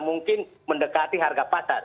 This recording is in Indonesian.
mungkin mendekati harga pasar